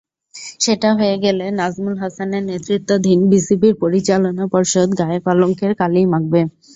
সেটা হয়ে গেলে নাজমুল হাসানের নেতৃত্বাধীন বিসিবির পরিচালনা পর্ষদ গায়ে কলঙ্কের কালিই মাখবে।